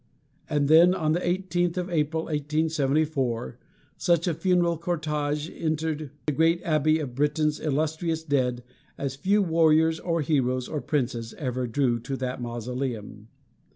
And then, on the eighteenth of April, 1874, such a funeral cortege entered the great abbey of Britain's illustrious dead as few warriors or heroes or princes ever drew to that mausoleum.